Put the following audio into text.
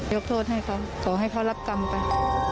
ยกโทษให้เขาขอให้เขารับกรรมไป